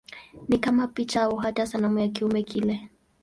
Ni kama picha au hata sanamu ya kiumbe kile.